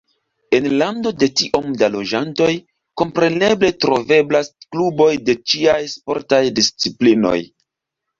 En lando de tiom da loĝantoj, kompreneble troveblas kluboj de ĉiaj sportaj disciplinoj.